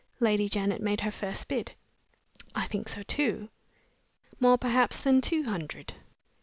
Lady Janet made her first bid. "I think so too." "More, perhaps, than two hundred?"